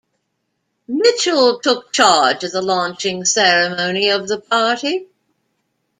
Mitchell took charge of the launching ceremony of the party.